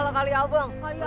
salah kali ya bang